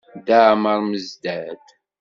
Dda Amer Mezdad